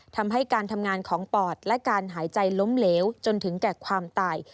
ทำให้การทำงานของปอดและการหายใจล้มเหลวจนถึงแก่ความตาย